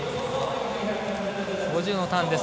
５０のターンです。